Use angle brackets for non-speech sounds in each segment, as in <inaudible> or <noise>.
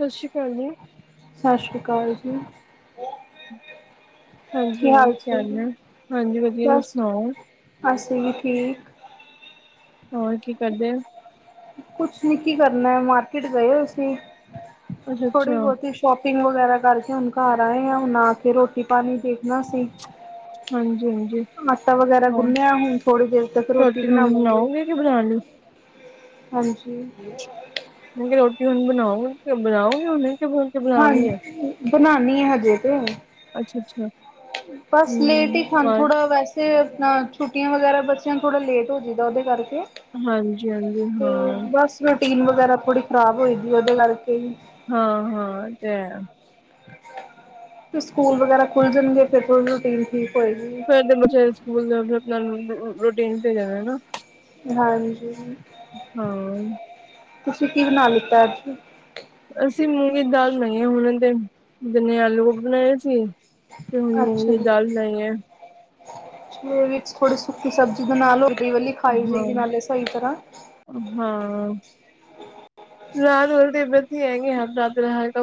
ਸਸ ਸ੍ਰੀ ਕਾਲ ਜੀ। ਸਸ ਸ੍ਰੀ ਕਾਲ ਜੀ। ਹਾਂਜੀ ਹੋਰ ਕੀ ਹਾਲ ਹੈ, ਹਾਂਜੀ ਵਧੀਆ ਤੁਸੀ ਸੁਣਾਓ। ਅਸੀ ਵੀ ਠੀਕ। ਹੋਰ ਕੀ ਕਰਦੇ ਉ? ਕੁਛੱ ਨੀ ਕੀ ਕਰਨਾ ਮਾਰਕੀਟ ਗਏ ਹੋਏ ਸੀ ਥੋੜੀ ਅੱਛਾ-ਅੱਛਾ, ਬਹੁਤੀ ਸ਼ੋਪਿੰਗ ਵਗੈਰਾ ਕਰਕੇ ਹੁਣ ਘਰ ਆਏ ਹਾਂ ਹੁੂੰਨ ਆ ਕੇ ਰੋਟੀ ਪਾਣੀ ਦੇਖਣਾ ਸੀ। ਹਾਂਜੀ-ਹਾਂਜੀ ਆਟਾ ਵਗੈਰਾ ਹੋਰ ਗੁੰਨਿਆ ਹੁਣ ਥੋੜ੍ਹੀ ਦੇਰ ਤੱਕ ਰੋਟੀ ਹੁਣ ਬਣਾਵਾਂਗੇ। ਬਣਾਓਗੇ ਕਿ ਬਣਾਣੀ? ਹਾਂਜੀ ਰੋਟੀ ਹੁਣ ਬਣਾਓਗੇ ਫੇਰ ਬਣਾਓਗੇ ਹੁਣੇ। ਕਿ ਬਣਾ ਕੇ ਬਣਾ ਹਾਂ ਲਈ ਏ? ਬਣਾਉਣੀ ਏ ਹਜੇ ਤੇ। ਅੱਛਾ-ਅੱਛਾ ਬਸ ਹੂੰ ਲੇਟ ਹੀ ਖਾਣ ਬਸ ਥੋੜ੍ਹਾ ਵੈਸ ਤੇ ਛੁੱਟੀਆਂ ਵਗੈਰਾ ਬੱਚਿਆਂ ਨੂੰ ਥੋੜ੍ਹਾ ਲੇਟ ਹੋ ਜਾਈਦਾ ਉਹਦੇ ਕਰਕੇ। ਹਾਂਜੀ-ਹਾਂਜੀ ਤੇ ਹਾਂ। ਬਸ ਰੂਟੀਨ ਵਗੈਰਾ ਥੋੜੀ ਖ਼ਰਾਬ ਹੋਈਦੀ ਹੈ ਉਹਦੇ ਕਰਕੇ ਵੀ। ਹਾਂ-ਹਾਂ ਏ ਤੇ ਹੈ। ਫੇਰ ਸਕੂਲ ਵਗੈਰਾ ਖੁੱਲ ਜਾਣਗੇ ਫੇਰ ਥੋੜੀ ਰੂਟੀਨ ਠੀਕ ਹੋਏਗੀ। ਫਿਰ ਬੱਚਿਆਂ <unintelligible> ਰੋਟੀਨ ਜਾਣਾ ਹਨਾ। ਹਾਂਜੀ, ਹਾਂ ਤੁਸੀਂ ਕੀ ਬਣਾ ਲਿੱਤਾ ਅੱਜ। ਅਸੀਂ ਮੂੰਗੀ ਦੀ ਦਾਲ ਬਣਾਈ ਆ ਹੁਣ ਤੇ ਦਿਨੇ ਆਲੂ ਬਣਾਏ ਸੀ। ਤੇ ਹੁਣ ਅੱਛਾ ਮੂੰਗੀ ਦੀ ਜੀ। ਦਾਲ ਬਣਾਈ ਏ ਦੇ ਵਿੱਚ ਥੋੜੀ ਸੁੱਕੀ ਸਬਜ਼ੀ ਬਣਾ ਲਓ ਗਈ ਵਾਲੀ ਖਾਈ ਜਾਏਗੀ ਹਾਂ। ਨਾਲੇ ਸਹੀ ਤਰ੍ਹਾਂ। ਹਾਂ <unintelligible> ਹਲਕਾ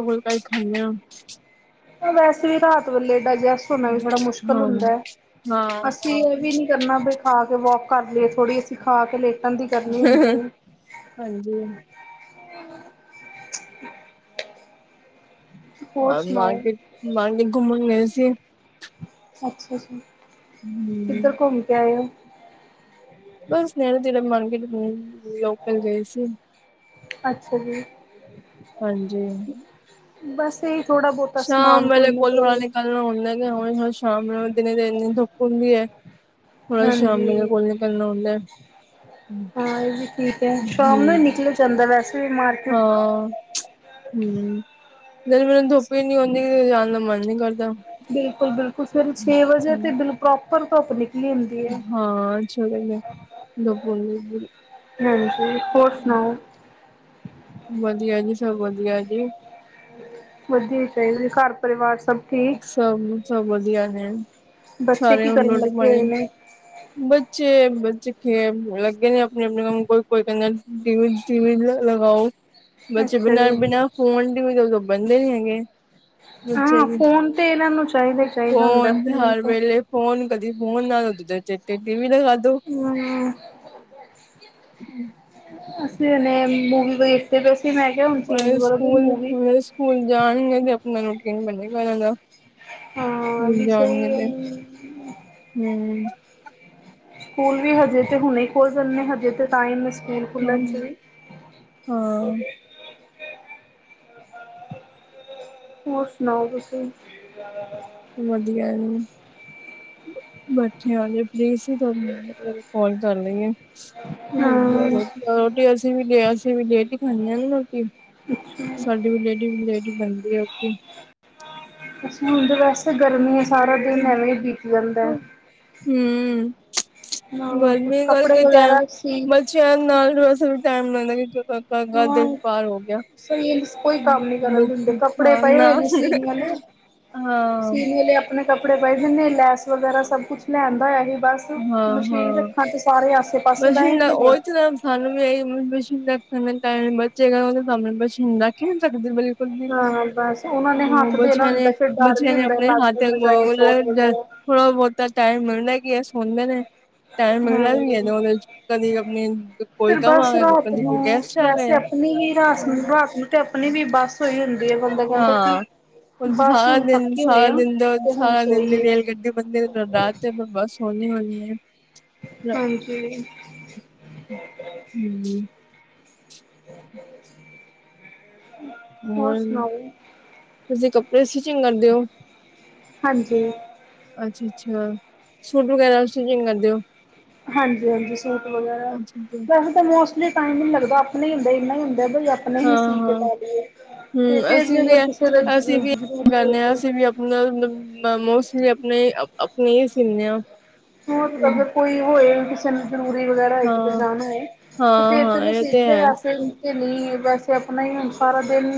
ਫੁਲਕਾ ਹੀ ਖਾਨੇ ਆ। ਵੈਸੇ ਵੀ ਰਾਤ ਵੇਲੇ ਡਾਈਜੈਸਟ ਕਰਨਾ ਵੀ ਬੜਾ ਮੁਸ਼ਕਿਲ ਹਾਂ ਹੁੰਦਾ ਹਾਂ ਅਸੀਂ ਇਹ ਵੀ ਨੀ ਕਰਨਾ ਬਈ ਖਾ ਕੇ ਵੋਕ ਕਰ ਲਈਏ ਥੋੜ੍ਹੀ ਅਸੀਂ ਖਾ ਕੇ ਲੇਟ ਹਾਂਜੀ ਹੋਰ ਆ ਸੁਣਾਓ ਮਾਰਕੀਟ, ਮਾਰਕੀਟ ਘੁੰਮਣ ਗਏ ਸੀ। ਅੱਛਾ ਜੀ। ਹੂੰ ਕਿੱਧਰ ਘੁੰਮ ਕੇ ਆਏ ਹੋ। ਬਸ <unintelligible> ਮਾਰਕੀਟ ਗਏ ਲੋਕਲ ਗਏ ਸੀ। ਅੱਛਾ ਜੀ। ਹਾਂਜੀ ਬਸ ਇਹੀ ਥੋੜ੍ਹਾ ਬਹੁਤਾ ਸਮਾਨ ਕੋਈ ਨਾ ਕੋਈ। ਕ ਉਹਨਾਂ <unintelligible> ਸਾਮ ਨੂੰ ਦਿਨੇ ਧੁੱਪ ਹੁੰਦੀ ਹੈ। ਥੋੜਾ ਸ਼ਾਮ ਮੇਰੇ ਹਾਂਜੀ ਕੋਲ ਨਿਕਲਣਾ ਹੁੰਦਾ। ਹੂੰ ਹਾਂ ਇਹ ਵੀ ਠੀਕ ਹੈ ਸ਼ਾਮ ਨੂੰ ਨਿਕਲ ਜਾਂਦਾ ਵੈਸੇ ਵੀ ਮਾਰ ਹਾਂ ਹੂੰ <unintelligible> <unintelligible> ਜਾਣ ਦਾ ਮਨ ਨੀ ਕਰਦਾ। ਬਿਲਕੁਲ-ਬਿਲਕੁਲ ਸਵੇਰੇ ਛੇ ਵਜੇ ਹੂੰ ਤੇ ਬਿਲ ਪ੍ਰੋਪਰ ਧੁੱਪ ਨਿਕਲੀ ਹੁੰਦ ਹਾਂ ਛੇ ਵਜੇ, ਧੁੱਪ ਹੁੰਦੀ ਪੂਰੀ। ਹਾਂਜੀ ਹੋਰ ਸੁਣਾਓ। ਵਧੀਆ ਜੀ ਸਭ ਵਧੀਆ ਜੀ। ਵਧੀਆ ਹੀ ਚਾਹੀਦੀ ਘਰ ਪਰਿਵਾਰ ਸਭ ਠੀਕ ਸਭ, ਸਭ ਵਧੀਆ ਹੈ ਬੱਚੇ ਸਾਰੇ ਕੀ ਹੁਣ ਕਰਨ ਰੋਟੀ ਲੱਗੇ ਹੋਏ ਪਾਣੀ ਨੇ ਬੱਚੇ, ਬੱਚੇ ਲੱਗੇ ਨੀ ਆਪਣੇ-ਆਪਣੇ ਕੰਮ ਕੋਈ-ਕੋਈ ਕਹਿੰਦਾ ਟੀ ਵੀ- ਟੀ ਵੀ ਲਗਾਓ, ਬੱਚੇ ਅੱਛਾ ਬਿਨਾਂ ਜੀ ਬਿਨਾਂ ਫੋਨ ਟੀ ਵੀ ਦੇ ਬਹਿਦੇ ਨੀ ਹੈਗੇ। ਬੱਚੇ, ਹਾਂ ਫੋਨ ਤੇ ਇਹਨਾਂ ਨੂੰ ਚਾਹੀਦਾ ਚਾਹੀਦਾ ਹੁੰਦਾ ਫੋਨ ਹਰ ਤੇ ਵੇਲੇ ਫੋਨ ਕਦੀ ਫੋਨ ਨਾ ਦੇ ਦੂਜੇ ਟੀ ਟੀ ਵੀ ਲਗਾ ਦੋ। ਹੂੰ, ਅਸੀਂ ਹੁਣੇ ਮੂਵੀ ਵੇਖ ਤੇ ਅਸੀ ਮੈਂ ਕਿਹਾ ਹੁਣ ਚੇਂਜ ਕਰੋ ਮੂਵੀ। ਸਕੂਲ ਸਕੂਲ ਜਾਣਗੇ ਤੇ ਆਪਣਾ ਰੂਟੀਨ ਬਣੇਗਾ ਇਹਨਾਂ ਦਾ। ਹਾਂ ਇਹ ਵੀ ਸਹੀ ਏ। ਹੂੰ ਸਕੂਲ ਵੀ ਹਜੇ ਤੇ ਹੁਣੇ ਖੋਲ ਜਾਂਦੇ ਹਜੇ ਤੇ ਤਾਂ ਟਾਈਮ ਸਕੂਲ ਹਾਂ ਖੁੱਲ੍ਹਣ 'ਚ ਵੀ। <inaudible> ਹੋਰ ਸੁਣਾਓ ਤੁਸੀਂ। ਵਧੀਆ ਜੀ, ਬੈਠੇ ਆ ਜੀ। ਫਰੀ ਸੀ ਤੁਹਾਨੂੰ, ਕੌਲ ਕਰ ਲਈਏ। ਹਮ ਰੋਟੀ ਅਸੀਂ ਵੀ ਲ ਅਸੀਂ ਵੀ ਲੇਟ ਹੀ ਖਾਂਦੇ ਆ ਰੋਟੀ। ਸਾਡੀ ਵੀ ਲੇਟ ਈ ਲੇਟ ਈ ਬਣਦੀ ਆ ਰੋਟੀ। ਸਕੂਲ ਤੇ ਵੈਸੇ ਗਰਮੀਆਂ ਸਾਰਾ ਦਿਨ ਐਵੇਂ ਹੀ ਬੀਤ ਜਾਂਦਾ। ਹੂੰ, ਹਾਂ ਕੁਛ ਗਰਮੀ ਕੱਪੜੇ ਕਰਕੇ ਤੇ ਵਗੈਰਾ ਸੀ ਬੱਚਿ <unintelligible> ਹਾਂ ਦਿਨ ਪਾਰ ਹੋ ਗਿਆ। ਸਹੀ ਕੋਈ ਕੰਮ ਨੀ ਕਰਨ ਦਿੰਦੇ ਕੱਪੜੇ ਪਏ ਨਾ, ਹੋਏ ਨੇ ਸੀਨ ਵਾਲੇ ਹਾਂ। ਸੀਨ ਵਾਲੇ ਆਪਣੇ ਕੱਪੜੇ ਪਏ ਲੈਸ ਵਗੈਰਾ ਸਭ ਕੁਛ ਲਿਆਂਦਾ ਹੋਇਆ ਸੀ ਬਸ ਹਾਂ ਮਸ਼ੀਨ ਹਾਂ ਰੱਖਾਂ ਤੇ ਸਾਰੇ ਆਸੇ-ਪਾਸੇ ਬਹਿ ਪਸੀਨਾ ਜਾਂਦੇ ਨੇ। ਉਹੀ ਤਾਂ ਸਾਨੂੰ ਵੀ ਇਹ ਮਸ਼ੀਨ ਰੱਖਣ ਬੱਚੇ <unintelligible> ਸਾਹਮਣੇ ਮਸ਼ੀਨ ਰੱਖ ਹੀ ਨਹੀਂ ਸਕਦੇ। ਹਾਂ ਬਸ ਉਹਨਾਂ ਨੇ ਹੱਥ ਦੇਣਾ ਬੱਚਿਆਂ ਹੁੰਦਾ ਨੇ ਫਿਰ ਡਰ ਵੀ ਬੱਚਿਆਂ ਨੇ ਹੁੰਦਾ ਆਪਣੇ ਲੱਗ ਹੱਥ ਨਾ ਜਾਏ ਚੋਟ <unintelligible> ਵਗੈਰਾ ਥੋੜਾ ਬਹੁਤਾ ਟਾਈਮ ਮਿਲਦਾ ਕਿ ਇਹ ਸੌਦੇ ਨੇ। ਟਾਈਮ ਮਿਲਣਾ ਵੀ ਏ ਤੇ ਹਮ ਉਹਦੇ 'ਚ ਕਦੇ ਆਪਣੀ ਕੋਈ ਕੰਮ ਆ ਕਦੇ ਕੋਈ ਗੈਸਟ ਆ ਗਏ ਵੈਸੇ ਆ। ਨਹੀਂ-ਨਹੀਂ ਰਾਤ ਨੂੰ ਰਾਤ ਨੂੰ ਤੇ ਆਪਣੀ ਵੀ ਬੱਸ ਹੋਈ ਹੁੰਦੀ ਏ ਬੰਦਾ ਕਹਿੰਦਾ ਕਿ ਹਾਂ ਬਸ ਸਾਰਾ ਹੁਣ ਦਿਨ ਥੱਕੇ ਹੋਏ ਸਾਰਾ ਆ ਦਿਨ ਤੇ ਹੁਣ ਸਾਰਾ ਦਿਨ ਤੇ ਸੋਈਏ ਰੇਲਗੱਡੀ ਬਣਦੀ ਰਾਤ ਨੂੰ ਤੇ ਬਸ ਹੋਣੀ ਹੋਣੀ ਏ। ਹਾਂਜੀ। ਹੂੰ <inaudible> ਹੋਰ, ਤੁਸੀਂ ਕੱਪੜੇ ਸਟਿਚਿੰਗ ਕਰਦੇ ਓ? ਹਾਂਜੀ। ਅੱਛਾ-ਅੱਛਾ ਸੂਟ ਵਗੈਰਾ ਸਟਿਚਿੰਗ ਕਰਦੇ ਓ? ਹਾਂਜੀ-ਹਾਂਜੀ ਸੂਟ ਅੱਛਾ ਅੱਛਾ ਵਗੈਰਾ ਮੋਸਟਲੀ ਟਾਈਮ ਹੀ ਨੀ ਲਗਦਾ ਆਪਣੇ ਹੀ ਹੁੰਦੇ ਇਨਾ ਹੀ ਹੁੰਦਾ ਬਈ ਆਪ ਹੀ ਹਾਂ ਸੀ ਕੇ ਹਾਂ ਪਾ ਲਈਏ, ਤੇ ਹੂੰ, ਫੇਰ ਅਸੀਂ ਜੇ ਵੀ ਅਗਰ ਐ ਕਿਸੇ ਦਾ ਜ਼ਰ ਜ਼ਰੂਰੀ ਹੋਵੇ ਤੇ ਮੈਂ ਮੈ ਮੋਸਟਲੀ ਆਪਣੇ ਆਪਣੇ ਹੀ ਸੀਨੀ ਆ। ਹੂੰ, ਕਲਰ ਕੋਈ ਹੋਏ ਜ਼ਰੂਰੀ ਵਗੈਰਾ ਇੱਕ ਤੇ ਹਾਂ, ਜਾਣਾ ਏ, ਤੇ ਹਾਂ, ਫਿਰ ਤੈ ਹਾਂ ਮੈਂ ਇਹ ਤੇ ਹੈ ਸਿਮਦੀ ਤੇ ਨਹੀਂ, ਵੈਸੇ ਆਪਣਾ ਹੀ ਹੁਣ ਸਾਰਾ ਦਿਨ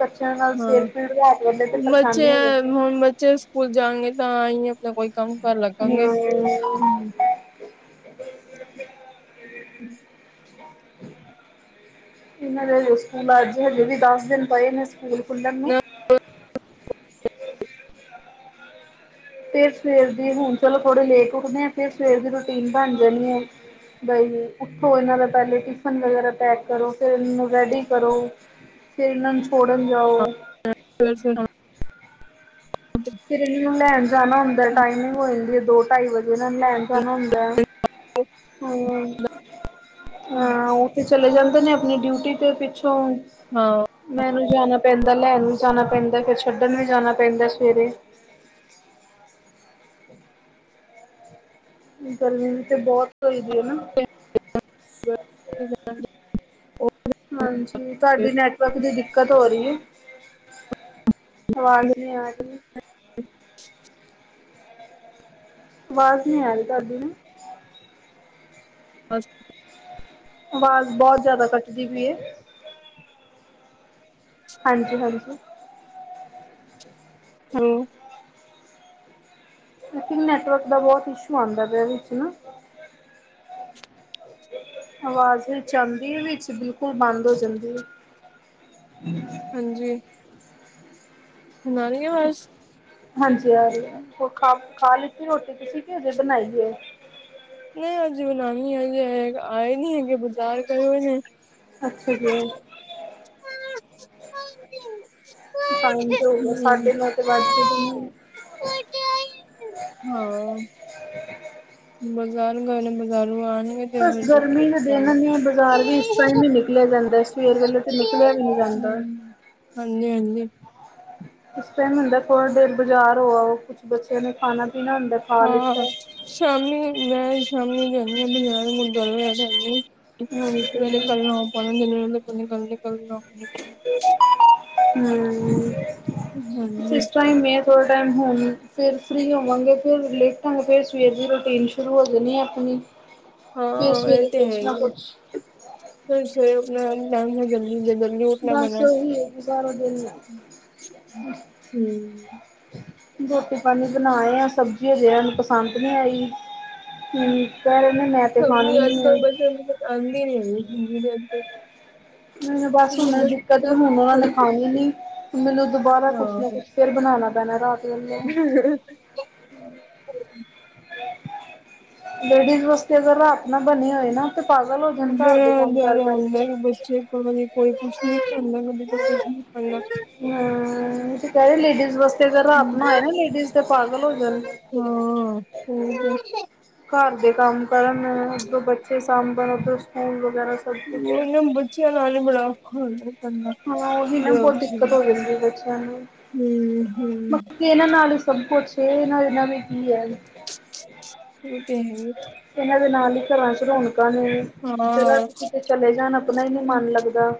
ਬਚਿਆ ਨਾਲ ਹਾਂ। ਸਿਰ ਪੀੜ ਕਰਦੇ, ਤੇ ਬੱਚੇ ਪਰੇਸ਼ਾਨੀ ਹੋ ਐ ਜਾਂਦੇ। ਹੁਣ ਬੱਚੇ ਸਕੂਲ ਜਾਗੇ ਤਾਂਈ, ਆਪਣਾ ਕੋਈ ਕੰਮ ਕਰਨ ਲੱਗਾਂਗੇ। ਹਮ। ਇਹਨਾਂ ਦੇਜ ਸਕੂਲ ਅੱਜ, ਹਜੇ ਵੀ ਦੱਸ ਦਿਨ ਪਏ ਨੇ ਸਕੂਲ ਖੁਲਨ ਨੂੰ ਨਾ ਫਿਰ ਸਵੇਰ ਦੀ, ਹੁਣ ਚਲੋ ਥੋੜੇ ਲੇਟ ਉਠਦੇ ਆ, ਫਰ ਸਵੇਰ ਦੀ ਰੂਟੀਨ ਬਣ ਜਾਣੀ ਹੈ। ਗਈਏ ਉੱਠੋ ਇਹਨਾਂ ਦਾ ਪਹਿਲੇ ਟਿਫਨ ਵਗੈਰਾ ਪੈਕ ਕਰੋ, ਫਿਰ ਇਹਨੂੰ ਰੈਡੀ ਕਰੋ, ਫਿਰ ਇਹਨਾਂ ਨੂੰ ਛੋੜਨ ਜਾਓ। ਫਿਰ ਇਹਨਾਂ ਨੂੰ ਲੈਣ ਜਾਣਾ ਹੁੰਦਾ ਟਾਈਮਿੰਗ ਹੋ ਜਾਂਦੀ ਹੈ, ਦੋ ਢਾਈ ਵਜੇ ਇਹ ਨੂੰ ਲੈਣ ਜਾਣਾ ਹੁੰਦਾ ਚਲੇ ਜਾਂਦੇ ਨੇ, ਆਪਣੀ ਡਿਊਟੀ ਤੇ ' ਪਿੱਛੋਂ ਹਾਂ। ਮੈਨੂੰ ਜਾਣਾ ਪੈਂਦਾ ਲੈਣ ਵੀ ਜਾਣਾ ਪੈਂਦਾ, ਫਰ ਛੱਡਣ ਵੀ ਜਾਣਾ ਪੈਂਦਾ ਸਵੇਰੇ ਗਰਮੀ ਤੇ ਬਹੁਤ ਹੋ ਦੀ ਹੈ ਨਾ। ਹਾਂਜੀ, ਤੁਹਾਡੀ ਨੈਟਵਰਕ ਦੀ ਦਿੱਕਤ ਹੋ ਰਹੀ ਹੈ। ਆਵਾਜ਼ ਨਹੀਂੀ ਆ ਰਹੀ। ਅੱ ਆਵਾਜ਼ ਨਹੀਂੀ ਆ ਰਹੀ, ਤੁਹਾਡੀ ਨਾ। ਅੱ ਆਵਾਜ਼ ਬਹੁਤ ਜਿਆਦਾ ਕੱਟਦੀ ਪਈ ਹੈ। ਹਾਂਜੀ ਹਾਂਜੀ। ਹਾਂ- ਲਕ ਨੈਟਵਰਕ ਦਾ ਬਹੁਤ ਇਸ਼ੂ ਆਉਂਦਾ ਪਿਆ, ਇਹ ਵਿੱਚ ਨਾ। ਆਵਾਜ਼ ਵਿੱਚ ਆਂਦੀ ਏ, ਬਿਲਕੁਲ ਬੰਦ ਹੋ ਜਾਂਦੀ ਹੈ। ਹਮ। ਹਾਂਜੀ। ਹੁਨ ਆ ਰਹੀਂ ਆ ਆਵਾਜ? ਹਾਂਜੀ ਹਾਂਜੀ, ਹੋਰ ਖਾ- ਖਾ ਲਿੱਤੀ ਰੋਟੀ ਤੁਸੀਂ, ਕਿ ਹਜੇ ਬਣਾਈ ਨਹੀਂ ਹਜ ਬ ਨਾ, ਹਜੇ ਆਏ ਨੀ ਹੈਗੇ, ਬਜ਼ਾਰ ਗਏ ਹੋਏ ਨੇ। ਅੱਛਾ ਜੀ। ਟਾਈਮ ਤੇ ਹੋ ਗਿਆ, ਸਾਢੇ ਨੌ ਤੇ ਵੱਜ ਗਏ। ਹਾਂ। ਬਜ਼ਾਰ ਗੱਏ ਨੇ, ਬਾਜ਼ਾਰੋਂ ਆਉਣ ਬਸ ਗਰਮੀ ਦੇ ਦਿਨ ਨੇ, ਬਜ਼ਾਰ ਵੀ ਇਸ ਟਾਈਮ ਹੀ ਨਿਕਲਿਆ ਜਾਂਦਾ ਸਵੇ ਵ ਤੇ ਨਿਕਲਿਆ ਵੀ ਨਹੀਂ ਜਾਂਦਾ। ਹਮ, ਹਾਂਜੀ, ਹਾਂਜੀ। ਉਸ ਟਾਈਮ ਹੁੰਦਾ ਥੋੜਾ ਦੇਰ ਬਾਜ਼ਾਰ ਹੋਆ, ਉਹ ਕੁਛ ਬੱਚਿਆਂ ਨੇ ਖਾਣਾ ਪੀਣਾ ਹੁੰਦਾ ਖਾ ਹਾਂ ਲਿੱਤਾ। ਸ਼ਾਮੀ ਮੈਂ ਸ਼ਾਮੀ ਜਾਂਦੀ ਹਾਂ ਬਜ਼ਾਰ, ਹਾਂਜੀ ਮੁ ਲੇ ਕੱਲਨਾ, ਆਪਣੀ ਗੱਲੱਲ ਹਮ, ਹਾਂਜੀ ਸਸ਼ ਮੈਂ ਥੋੜ੍ਹਾ ਟਾਈਮ ਹੋਣ ਫਿਰ ਫਰੀ ਹੋਵਾਂਗੇ, ਫਿਰ ਲੇਟਾਂਗੇ, ਫਿਰ ਸਵੇਰ ਦੀ ਰੂਟੀਨ ਸ਼ੁਰੂ ਹੋ ਜਾਣੀ ਆਪਣੀ। ਹ ਫਿਰ ਹਾਂ ਇਹ ਸਵੇਰੇ ਤੇ ਕੁਛ ਹੈ ਨਾ ਹੀ ਹੈ ਕੁਛ ਫਿਰ ਸਵੇਰੇ ਉਠਣਾ ਆਪਣਾ ਟੈਮ ਸਿਰ ਜਲਦੀ ਜ ਬਸ ਓਹੀ ਹੈ ਸਾਰਾ ਦਿਨ ਹਮ ਰੋਟੀ ਪਾਣੀ ਬਣਾਏ ਹਾਂ ਸਬਜ਼ੀ ਹਜੇ ਏਨੂੰ ਪਸੰਦ ਨਈ ਆਈ। ਠੀਕ ਆ ਉਹਨੇ ਮੈਂ ਤੇ ਸਬਜੀ ਖਾਣੀ ਨੀ ਹੈ ਅੱਜਕਲ ਬੱਚਿਆਂ ਨੂੰ ਪਸੰਦ ਨੀ ਆਂਦੀ <unintelligible> ਅੱਜਕੱਲ ਮੈਨੂੰ ਬਸ ਹੁਨ ਦਿੱਕਤ ਏ ਹੁਣ ਉਹਨਾਂ ਨੇ ਖਾਣੀ ਨਈ ਮੈਨੂੰ ਦੁਬਾਰਾ ਕੁਛ ਨਾ ਹਾਂ ਕੁਛ ਫਿਰ ਬਣਾਣਾ ਪੈਣਾ ਰਾਤ ਵੇਲੇ <inaudible> ਲੇਡੀਜ਼ ਵਾਸਤੇ ਅਗਰ ਰਾਤ ਨਾ ਬਣੇ ਹੋਏ ਨਾ ਤੇ ਪਾਗਲ ਹੋ ਜਾਣ ਘਰ ਦੇ ਕੰਮ ਕਾਰ ਕਰਕੇ ਸਈ ਗੱਲ ਏ ਜੀ ਕੋਈ ਕੁਛ ਨਈ ਖਾਂਦਾ <unintelligible> ਹੂੰ ਕਰ ਲਈ ਡੀਜ਼ ਵਾਸਤੇ ਰਾਤ ਆਪਣਾ ਆਏ ਨਾ ਲੇਡੀਜ਼ ਦੇ ਪਾਗਲ ਹੋ ਜਣ ਹਾਂ ਹੋਰ ਘਰ ਦੇ ਕੰਮ ਕਰਨ ਉਧਰੋ ਬੱਚੇ ਸਾਂਭਣ ਉਧੋ ਸਕੂਲ ਵਗੈਰਾ ਸਭ ਕੁਛ ਉਹਨ ਬੱਚਿਆਂ ਨਾਲ ਈ ਬੜਾ ਔਖਾ ਹੋ ਜ ਹਾਂ ਉਹੀ ਮੈ ਬੋਤ ਦਿੱਕਤ ਹੋ ਜਾਂਦੀ ਬੱਚਿਆਂ ਨੂੰ ਹੂੰ ਇਹਨਾਂ ਨਾਲ ਹੀ ਸਭ ਕੁਛ ਇਹਨਾ ਬਿਨਾਂ ਵੀ ਕੀ ਐ। ਓ ਤੇ ਹੈ ਈ। ਇਹਨਾ ਦੇ ਨਾਲ ਹੀ ਘਰਾਂ 'ਚ ਰੌਣਕਾਂ ਨੇ। ਜਦ ਹਾਂ ਅਸੀ ਕਿਤੇ ਚਲੇ ਜਾਣ ਆਪਣਾ ਈ ਨੀ ਮਨ ਲੱਗਦਾ।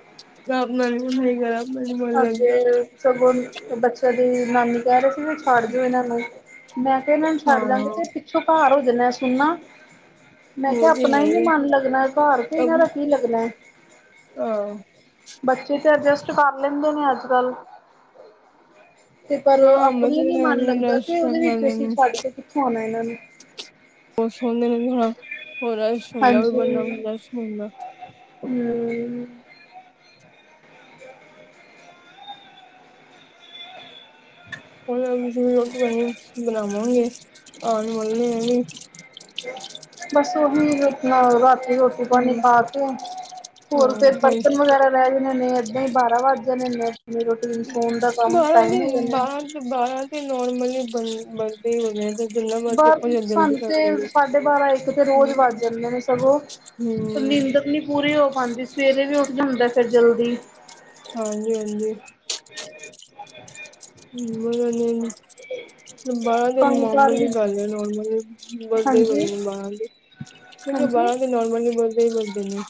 ਘਰ ਨਲ ਸਈ ਗੱਲ ਏ ਅਪਨਾ ਮਨ ਨਈ ਲੱਗਦ ਤੇ ਸਗੋ ਬੱਚਿਆਂ ਦੀ ਨਾਨੀ ਕਹਿ ਰਏ ਸੀ ਵੀ ਛੱਡ ਦਿਓ ਇਹਨਾਂ ਨੂੰ ਮੈਂ ਕਿਆ ਇਹਨਾਂ ਨੂੰ ਹਾਂ ਛੱਡ ਜਾਗੇ ਤੇ ਪਿੱਛੋਂ ਘਾਰ ਹੋ ਜਾਣਾ ਸੁਨਾ ਮੈ ਕਿਆ ਉਹ ਤੇ ਆਪਣਾ ਹੈ ਹੀ ਨੀ ਹੈ ਮਨ ਲੱਗਣਾ ਘਾਰ ਤੇ ਇਹਨਾਂ ਦਾ ਕੀ ਲੱਗਣਾ। ਆ ਬੱਚੇ ਤੇ ਅਜੈਸਟ ਕਰ ਲੈਂਦੇ ਨੇ ਅਜ ਕਲ ਤੇ ਪਰ ਹਾਂ ਆਪਣਾ ਹੀ ਮਜ਼ੇ ਨੀ ਮਨ ਅੱਜ-ਕੱਲ ਲੱਗਦਾ ਰਸ਼ ਤੇ ਕਰ ਉਹਦੇ ਵਿਚ ਅਸੀ ਲੈਣੇ ਛੱਡ ਕੇ ਕਿਥੇ ਆਉਣਾ ਇਹਨਾਂ ਨੂੰ ਹਾਂਜੀ <inaudible> ਹੂੰ ਹੂੰ ਜਿਵੇਂ ਰੋਟੀ ਬਣੀ ਬਣਾਵਾਂਗੇ ਆਣ ਵਾਲੇ ਨੇ ਇ ਵੀ ਬਸ ਉਹੀ ਆਪਨਾ ਰਾਤੀ ਰੋਟੀ ਪਾਣੀ ਹੂੰ ਖਾ ਕੇ ਹੋਰ ਫਿਰ ਬਰਤਨ ਵਗੈਰਾ ਰਹਿ ਜਾਣੇ ਨੇ ਏਦਾਂ ਹੀ ਬਾਰਾਂ ਵੱਜ ਜਾਣੇ ਨੇ। ਰੋਟੀ ਸੌਣ ਦਾ ਕੰਮ ਬਾਰਾਂ ਦੀ ਟਾਈਮ ਹੋ ਜਾਣਾ। ਬਾਰਾਂ ਬਾਰਾਂ ਤੇ ਨੋਰਮਲੀ ਵਜ ਵਜਦੇ ਹੀ ਹੁੰਦੇ ਆ ਤੇ ਜਿੰਨਾ ਮਰਜ਼ੀ ਬਸ ਆਪਾਂ ਜਲਦੀ ਜਲਦੀ ਸਾਨੂੰ ਕਰ ਤੇ ਲਈਏ ਸਾਢੇ ਬਾਰਾਂ ਇੱਕ ਤੇ ਰੋਜ਼ ਵੱਜ ਜਾਂਦੇ ਨੇ ਸਗੋਂ ਹੂੰ ਨੀਂਦਰ ਨੀ ਪੂਰੀ ਹੋ ਪਾਂਦੀ ਸਵੇਰੇ ਵੀ ਉਠ ਜਾਂਦਾ ਫਿਰ ਜਲਦੀ ਹਾਂਜੀ-ਹਾਂਜੀ ਬਾਰਾਂ ਦੇ ਕੰਮ ਕਾਰ ਨੋਰਮਲੀ ਵੀ ਹੀ ਗੱਲ ਹੈ ਨੋਰਮਲੀ ਵਜਦੇ ਏ ਹਾਂਜੀ ਵਜਦੇ ਬਾਰਾਂ ਤੇ ਕਿ ਹਾਂਜੀ ਬਾਰਾਂ ਤੇ ਨੋਰਮਲੀ ਵਜਦੇ ਈ ਵਜਦੇ ਨੇ।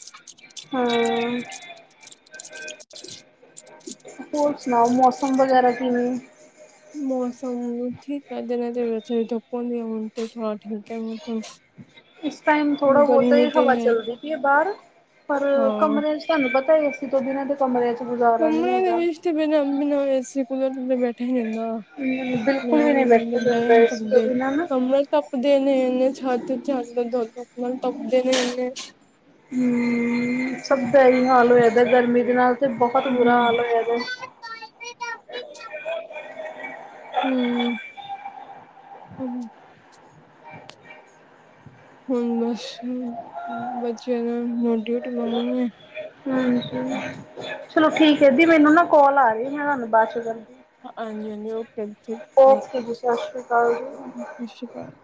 ਹਾਂ ਹੋਰ ਸੁਣਾਓ ਮੌਸਮ ਵਗੈਰਾ ਕਿਵੇ ਮੌਸਮ ਠਿਕ ਹੈ ਦਿਨੇ ਦੇ ਵਿੱਚ ਧੁੱਪ ਹੁੰਦੀ ਹੈ ਉਵੇਂ ਥੋੜ੍ਹਾ ਠਿਕ ਹੈ ਮੋਸਮ ਇਸ ਟਾਈਮ ਥੋੜਾ ਬੋਤ ਹਵਾ ਹੈ ਚੱਲਦੀ ਪਈ ਹੈ ਬਾਰ ਪਰ ਹਾਂ ਕਮਰੇ 'ਚ ਤੁਹਾਨੂੰ ਪਤਾ ਏ। ਤੇ ਤੁਹਾਡੇ ਨਾਲ ਤੇ ਕਮਰਿਆਂ 'ਚ ਵਜਾ ਕਮਰੇਆ ਦੇ ਵਿਚ ਤੇ ਬਿਨਾ ਏ ਸੀ ਕੂਲਰ ਬੈਠਾ ਹੀ ਨਹੀ ਜਾਦਾ ਬਿਲਕੁਲ ਵੀ ਵ- ਨਹੀਂ ਕਮਰੇ ਬੈਠਾ ਬੈਹ ਜਾਂਦਾ ਨਹੀ ਏ ਸੀ ਤੋਂ ਬਿਨਾਂ ਨਾ। ਸਕਦੇ- ਤੱਪਦੇ ਨੇ ਇਨੇ ਛੱਤ 'ਚ ਧੁਪ ਨਾਲ ਤਪਦੇ ਨੇ ਇਹਨੇ- ਸਭ ਦਾ ਇਹੀ ਹਾਲ ਹੋਇਆ ਦਾ ਗਰਮੀ ਦੇ ਨਾਲ ਤਾਂ ਬੋਤ ਬੁਰਾ ਹੂੰ ਹਾਲ ਹੋਇਆ। ਹੂੰ -ਹੂੰ - ਹੁਣ ਬਸ ਬੱਚਿਆਂ ਨੂੰ ਰੋਟੀ ਮੰਗਣੀ ਆ। ਹਾਂਜੀ ਚਲੋ ਠੀਕ ਹੈ। ਦੀ ਮੈਨੂੰ ਨਾ ਕੋਾਲ ਆ ਗਈ ਆ ਮੈ ਤੁਹਾਨੂੰ ਬਾਦ ਕਰਨੀ ਆ। ਹਾਂਜੀ- ਹਾਂਜੀ ਓਕੇ ਸਤਿ ਜੀ ਸਤਿ ਸ਼੍ਰੀ ਅਕਾਲ ਜੀ। ਸ਼੍ਰੀ ਅਕਾਲ-